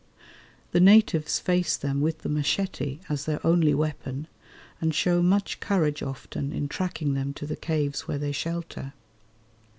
The natives face them with the machete as their only weapon, and show much courage often in tracking them to the caves where they shelter.